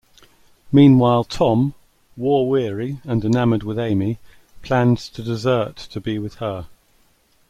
Meanwhile, Tom, war-weary and enamored with Amy, plans to desert to be with her.